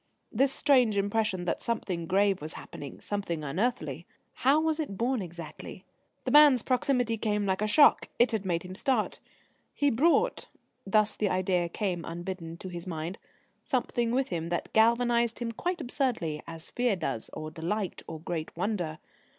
This strange impression that something grave was happening, something unearthly how was it born exactly? The man's proximity came like a shock. It had made him start. He brought thus the idea came unbidden to his mind something with him that galvanised him quite absurdly, as fear does, or delight, or great wonder.